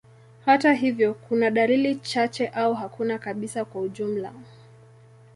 Hata hivyo, kuna dalili chache au hakuna kabisa kwa ujumla.